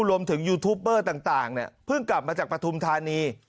รวมถึงยูทูปเปอร์ต่างต่างเนี่ยเพิ่งกลับมาจากปฐุมธานี